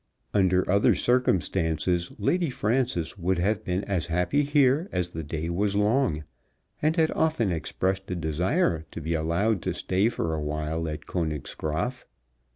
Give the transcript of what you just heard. Under other circumstances Lady Frances would have been as happy here as the day was long, and had often expressed a desire to be allowed to stay for a while at Königsgraaf.